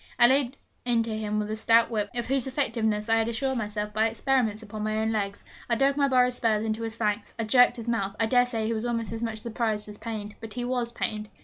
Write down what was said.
I laid into him with a stout whip, of whose effectiveness I had assured myself by experiments upon my own legs. I dug my borrowed spurs into his flanks. I jerked his mouth. I dare say he was almost as much surprised as pained. But he was pained!